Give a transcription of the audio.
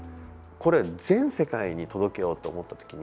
これ、全世界に届けようと思った時に